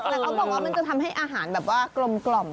แต่เขาบอกว่ามันจะทำให้อาหารแบบว่ากลม